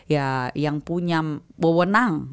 ya yang punya mewenang